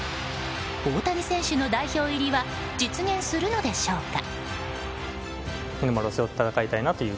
大谷選手の代表入りは実現するのでしょうか。